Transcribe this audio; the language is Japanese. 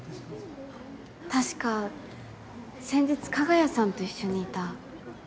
確か先日加賀谷さんと一緒にいた